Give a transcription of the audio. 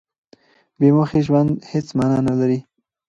بې موخې ژوند هېڅ مانا نه لري.